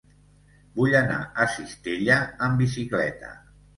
Vull anar a Cistella amb bicicleta.